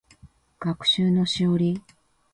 学習のしおり